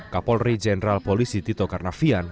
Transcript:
kapolri jenderal polisi tito karnavian